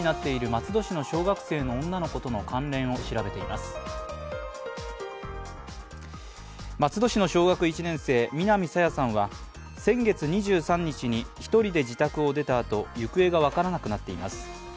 松戸市の小学１年生、南朝芽さんは先月２３日に１人で自宅を出たあと、行方が分からなくなっています。